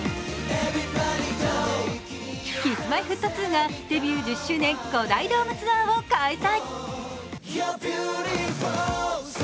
Ｋｉｓ−Ｍｙ−Ｆｔ２がデビュー１０周年５大ドームツアーを開催。